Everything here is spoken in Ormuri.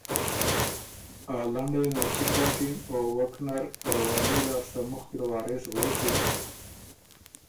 ا لنډئ ن ال چِګ داکِن او وک نر رواني لاسته مُخکی ل وارث غوېکِن